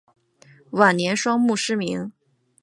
晚年双目失明。